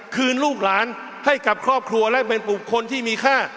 ลูกหลานให้กับครอบครัวและเป็นบุคคลที่มีค่า